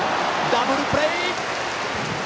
ダブルプレー！